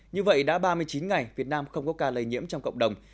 như vậy đã ba mươi chín ngày việt nam không có ca lây nhiễm trong cộng đồng